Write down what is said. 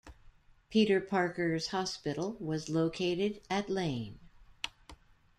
Peter Parker's hospital was located at Lane.